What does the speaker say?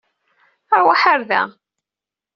Aṛwaḥ ar da!